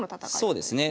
そうですね。